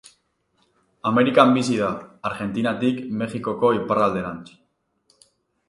Amerikan bizi da, Argentinatik Mexikoko iparralderantz.